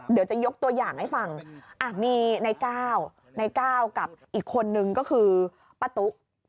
เดี๋ยวจะยกตัวอย่างให้ฟังมีในก้าวในก้าวกับอีกคนนึงก็คือป้าตุ๊ก